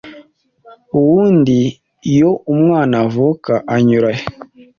Ubundi iyo umwana avuka anyura he?”